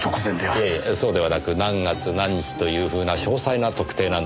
いえそうではなく何月何日というふうな詳細な特定なんです。